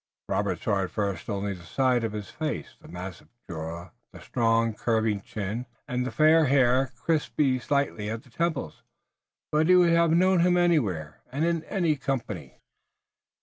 Robert saw at first only the side of his face, the massive jaw, the strong, curving chin, and the fair hair crisping slightly at the temples, but he would have known him anywhere and in any company.